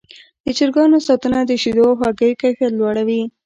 د چرګانو ساتنه د شیدو او هګیو کیفیت لوړوي.